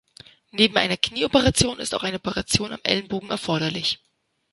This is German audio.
Neben einer Knieoperation ist auch eine Operation am Ellenbogen erforderlich.